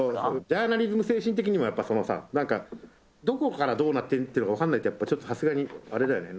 ジャーナリズム精神的にもやっぱそのさなんかどこからどうなってるっていうのがわかんないとやっぱちょっとさすがにあれだよね